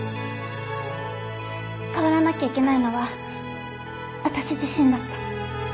変わらなきゃいけないのは私自身だった。